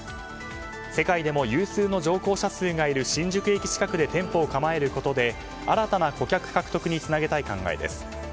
世界でも有数の乗降者数がいる新宿駅近くで店舗を構えることで新たな顧客獲得につなげたい考えです。